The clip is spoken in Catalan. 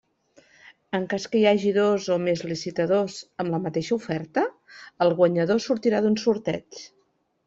En cas que hi hagi dos o més licitadors amb la mateixa oferta, el guanyador sortirà d'un sorteig.